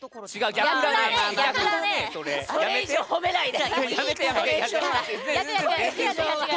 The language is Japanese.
それ以上、褒めないで！